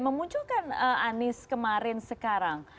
memunculkan anies kemarin sekarang